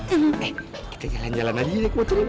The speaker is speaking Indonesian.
eh kita jalan jalan aja nek motornya